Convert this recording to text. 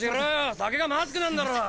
酒がまずくなんだろ！